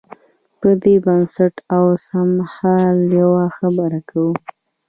پر دې بنسټ اوسمهال یوه خبره کوو.